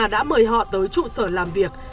đã mời họ tới trụ sở làm việc